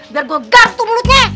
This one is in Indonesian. biar gue garstu mulutnya